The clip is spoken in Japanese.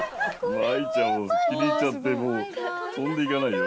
舞衣ちゃんを気に入っちゃってもう飛んでいかないよ。